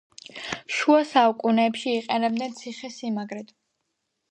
შუა საუკუნეებში იყენებდნენ ციხე-სიმაგრედ.